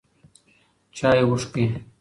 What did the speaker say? چایې اوښکي